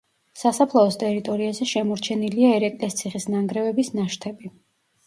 სასაფლაოს ტერიტორიაზე შემორჩენილია ერეკლეს ციხის ნანგრევების ნაშთები.